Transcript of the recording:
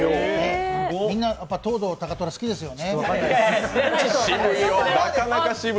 みんな藤堂高虎、好きですよね。